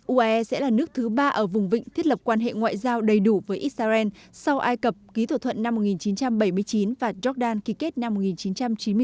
uae sẽ là nước thứ ba ở vùng vịnh thiết lập quan hệ ngoại giao đầy đủ với israel sau ai cập ký thỏa thuận năm một nghìn chín trăm bảy mươi chín và jordan ký kết năm một nghìn chín trăm chín mươi bốn